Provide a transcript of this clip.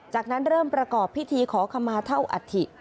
จากนั้นเริ่มประกอบพิธีขอขมาเท่าอัฐิ